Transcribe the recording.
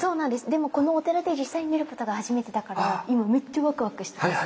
でもこのお寺で実際に見ることが初めてだから今めっちゃワクワクしてます！